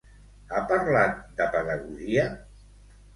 Ha parlat de pedagogia?